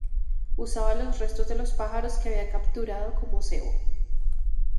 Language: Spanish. Usaba los restos de los pájaros que había capturado como cebo.